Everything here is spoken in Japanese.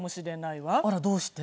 あらどうして？